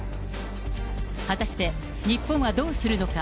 果たして、日本はどうするのか。